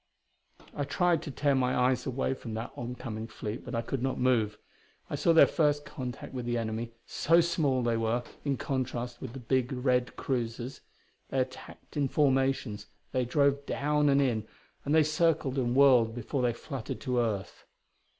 I tried to tear my eyes away from that oncoming fleet, but I could not move. I saw their first contact with the enemy; so small, they were, in contrast with the big red cruisers. They attacked in formations; they drove down and in; and they circled and whirled before they fluttered to earth....